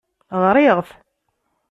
Ɣriɣ-t.